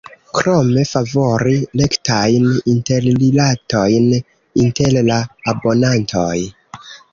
Krome, favori rektajn interrilatojn inter la abonantoj.